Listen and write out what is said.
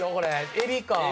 エビか。